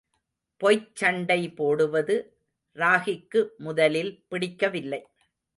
பொய்ச் சண்டை போடுவது ராகிக்கு முதலில் பிடிக்கவில்லை.